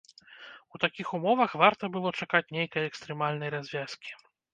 У такіх умовах варта было чакаць нейкай экстрэмальнай развязкі.